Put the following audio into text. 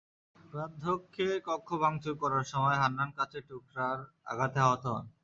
প্রাধ্যক্ষের কক্ষ ভাঙচুর করার সময় হান্নান কাচের টুকরার আঘাতে আহত হন।